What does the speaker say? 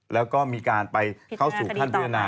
แล้วก็มีการไปเข้าสู่ขั้นพิจารณา